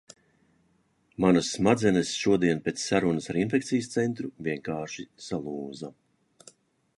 Manas smadzenes šodien pēc sarunas ar infekcijas centru vienkārši salūza...